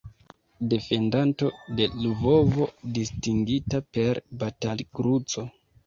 Defendanto de Lvovo, distingita per Batal-Kruco.